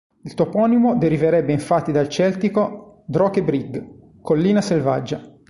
Il toponimo deriverebbe infatti dal celtico "Droche-brig", "Collina Selvaggia".